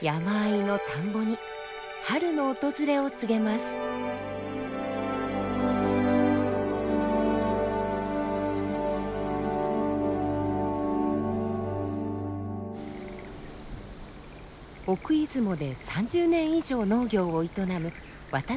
奥出雲で３０年以上農業を営む渡部悦義さんです。